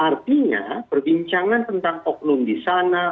artinya perbincangan tentang oknum disana